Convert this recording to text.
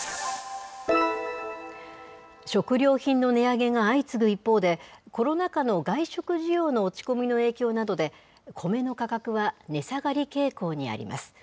食料品の値上げが相次ぐ一方で、コロナ禍の外食需要の落ち込みの影響などで、コメの価格は値下がり傾向にあります。